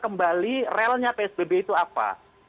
kembali relnya psbb itu apa